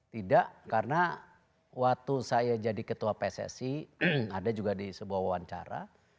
tidak karena waktu saya jadi ketua pssi ada juga di sebuah wawancara